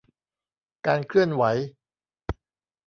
การเคลื่อนไหว